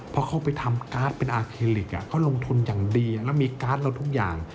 เพราะเขาไปทำการ์ดเป็นอาเคลิกเขาลงทุนอย่างดีแล้วมีการ์ดเราทุกอย่าง